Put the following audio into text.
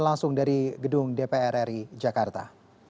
langsung dari gedung dpr ri jakarta